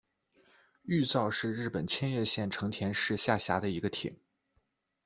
玉造是日本千叶县成田市下辖的一个町。